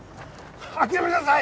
諦めなさい！